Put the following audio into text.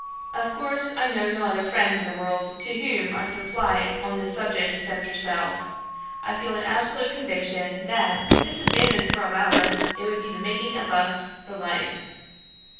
Of course, I know no other friend in the world to whom I could apply on this subject except yourself. I feel an absolute conviction that, if this advantage were allowed us, it would be the making of us for life.